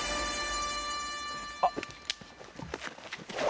あっ。